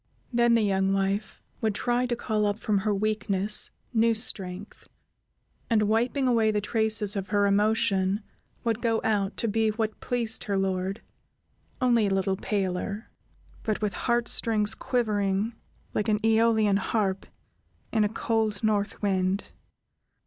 Then the young wife would try to call up from her weakness new strength, and wiping away the traces of her emotion, would go out to be what pleased her lord, only a little paler, but with heart strings quivering like an Æolian harp in a cold north wind.